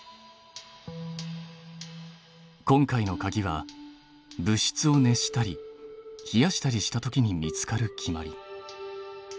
今回のかぎは物質を熱したり冷やしたりしたときに見つかる決まり。